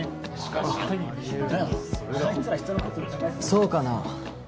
そうかな？